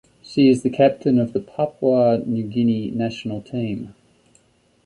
She is the captain of the Papua New Guinea national team.